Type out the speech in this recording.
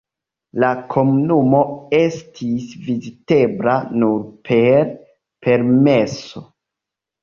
La komunumo estis vizitebla nur per permeso.